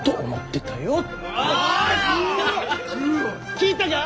聞いたか？